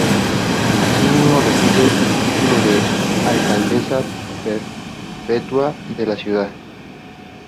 Asimismo, recibió el título de alcaldesa perpetua de la ciudad.